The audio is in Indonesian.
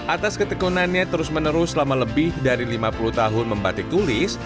atas ketekunannya terus menerus selama lebih dari lima puluh tahun membatik tulis